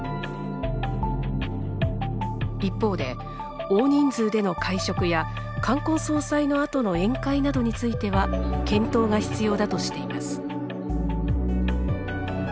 一方で大人数での会食や冠婚葬祭のあとの宴会などについては検討が必要だとしています。